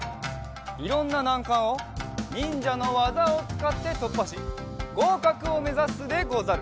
いろんななんかんをにんじゃのわざをつかってとっぱしごうかくをめざすでござる！